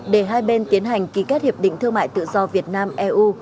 để hai bên tiến hành ký kết hiệp định thương mại tự do việt nam eu